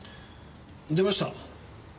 出ました。